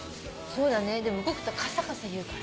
でも動くとカサカサいうから。